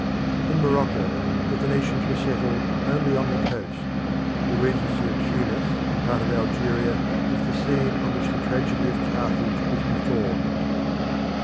In Morocco the Phoenicians were settled only on the coast. The Regency of Tunis and part of Algeria is the scene on which the tragedy of Carthage was performed.